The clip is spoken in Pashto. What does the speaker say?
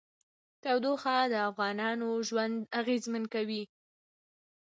تودوخه د افغانانو ژوند اغېزمن کوي.